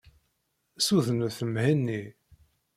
Ssudnet Mhenni.